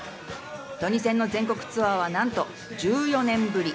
トニセンの全国ツアーは、なんと１４年ぶり。